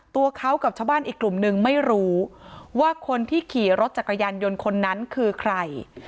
ตัวเขากับชาวบ้านอีกกลุ่มนึงไม่รู้ว่าคนที่ขี่รถจักรยานยนต์คนนั้นคือใคร